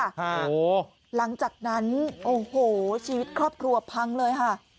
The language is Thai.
โอ้โหหลังจากนั้นโอ้โหชีวิตครอบครัวพังเลยค่ะ